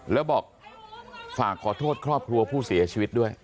แล้วบอกฝากขอโทษครอบครัวผู้เสียชีวิตด้วย